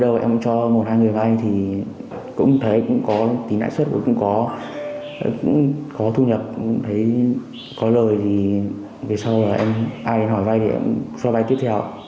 về sau ai hỏi vay thì em cho vay tiếp theo